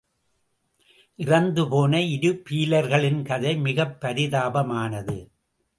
இறந்துபோன இரு பீலர்களின் கதை மிகப் பரிதாபமானது.